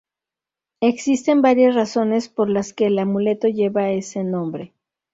Existen varias razones por las que el amuleto lleva ese nombre.